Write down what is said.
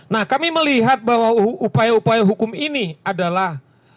nah kami melihat bahwa upaya upaya hukum ini adalah